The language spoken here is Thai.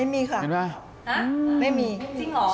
มีคนอยู่ใช่ไหมไม่มีค่ะ